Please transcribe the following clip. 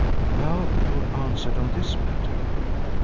Now you are answered on this matter.